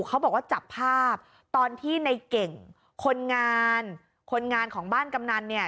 เขาบอกว่าจับภาพตอนที่ในเก่งคนงานคนงานของบ้านกำนันเนี่ย